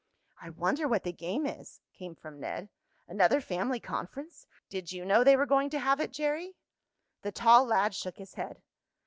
"I wonder what the game is," came from Ned. "Another family conference! Did you know they were going to have it, Jerry?" The tall lad shook his head.